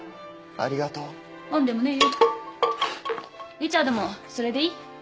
リチャードもそれでいい？